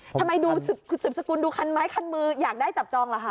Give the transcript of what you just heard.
ทำไมดูคุณสืบสกุลดูคันไม้คันมืออยากได้จับจองล่ะคะ